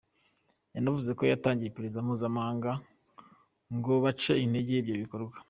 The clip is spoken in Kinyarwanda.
Yanavuze ko hatangiye iperereza mpuzamahanga ngo bace intege ibyo bikorwa.